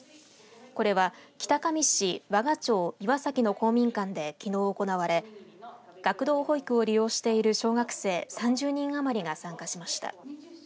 これは北上市和賀町の公民館できのう行われ学童保育を利用している小学生３０人余りが参加しました。